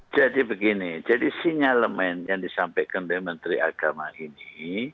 jadi begini jadi sinyalemen yang disampaikan dari menteri agama ini